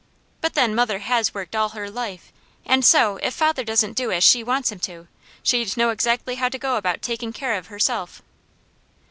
But then mother has worked all her life, and so if father doesn't do as she wants him to, she'd know exactly how to go about taking care of herself.